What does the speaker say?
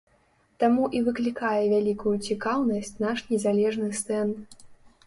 Таму і выклікае вялікаю цікаўнасць наш незалежны стэнд.